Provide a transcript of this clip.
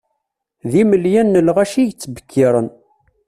D imelyan n lɣaci i yettbekkiren.